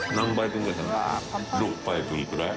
６杯分くらい。